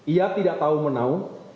ia tidak tahu menaun